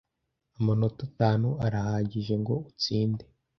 amanota atanu arahagije ngo utsinde